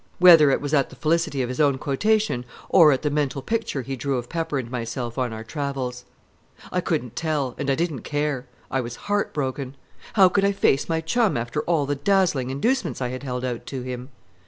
Whether it was at the felicity of his own quotation, or at the mental picture he drew of Pepper and myself on our travels. I couldn't tell, and I didn't care. I was heart broken. How could I face my chum after all the dazzling inducements I had held out to him?